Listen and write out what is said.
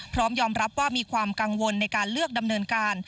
พร้อมยอมรับว่ามีความกังวลในการเลือกดำเนินการ